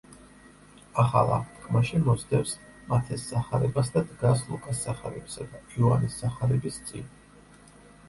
ახალ აღთქმაში მოსდევს მათეს სახარებას და დგას ლუკას სახარებისა და იოანეს სახარების წინ.